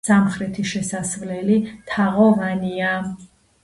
სამხრეთი შესასვლელი თაღოვანია.